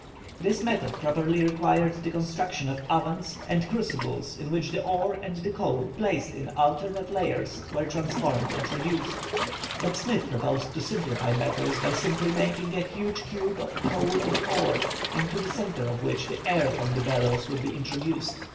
This method properly required the construction of ovens and crucibles in which the ore and the coal, placed in alternate layers, were transformed and reduced. But Smith proposed to simplify matters by simply making a huge cube of coal and ore, into the centre of which the air from the bellows would be introduced.